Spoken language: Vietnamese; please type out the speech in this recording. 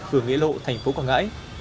phường nghĩa lộ thành phố quảng ngãi